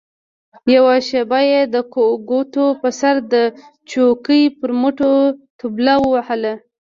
يوه شېبه يې د ګوتو په سر د چوکۍ پر مټو طبله ووهله.